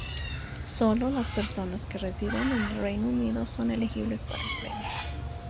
Sólo las personas que residen en el Reino Unido son elegibles para el premio.